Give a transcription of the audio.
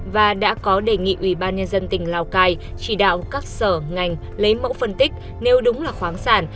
và đã có đề nghị ủy ban nhân dân tỉnh lào cai chỉ đạo các sở ngành lấy mẫu phân tích nếu đúng là khoáng sản